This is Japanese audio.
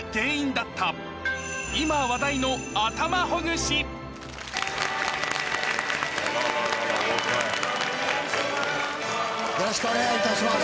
しかしよろしくお願いいたします。